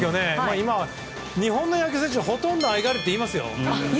今は日本の野球選手ほとんどＩｇｏｔｉｔって言います。